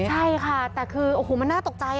ใช่ค่ะแต่คือโอ้โหมันน่าตกใจ